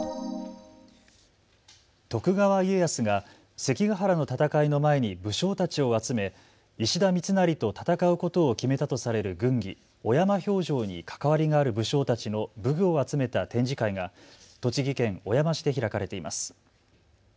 徳川家康が関ヶ原の戦いの前に武将たちを集め石田三成と戦うことを決めたとされる軍議、小山評定に関わりがある武将たちの武具を集めた展示会が栃木県小山市で開かれています。